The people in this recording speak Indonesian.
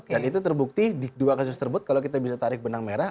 dan itu terbukti di dua kasus tersebut kalau kita bisa tarik benang merah